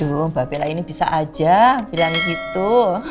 ibu mbak bella ini bisa aja bilang gitu